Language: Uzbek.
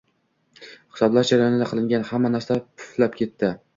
Hisoblash jarayonida qilingan hamma narsa puflab ketdi